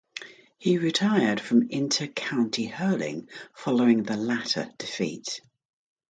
He retired from inter-county hurling following the latter defeat.